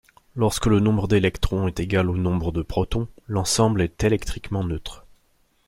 Lorsque le nombre d'électrons est égal au nombre de protons, l'ensemble est électriquement neutre.